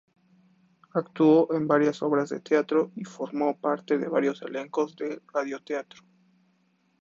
Actuó en varias obras de teatro y formó parte de varios elencos de radioteatro.